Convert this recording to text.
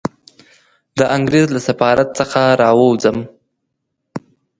د انګریز له سفارت څخه را ووځم.